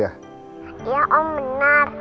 iya om benar